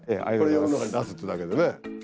これ世の中に出すってだけでね。